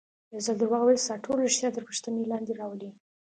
یو ځل دروغ ویل ستا ټول ریښتیا تر پوښتنې لاندې راولي.